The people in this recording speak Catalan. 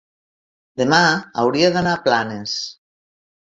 Demà hauria d'anar a Planes.